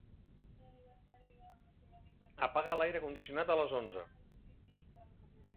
Apaga l'aire condicionat a les onze.